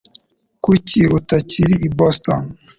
Kuki utakiri i Boston?